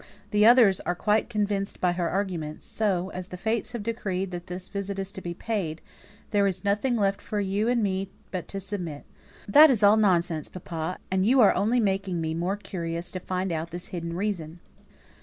The others are quite convinced by her arguments; so, as the Fates have decreed that this visit is to be paid, there is nothing left for you and me but to submit." "That's all nonsense, papa, and you're only making me more curious to find out this hidden reason."